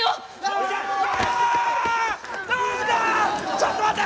ちょっと待て！